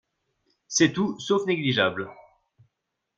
C’est tout sauf négligeable